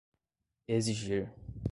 exigir